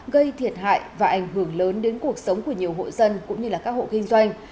gây thiệt hại và ảnh hưởng lớn đến cuộc sống của nhiều hộ dân cũng như các hộ kinh doanh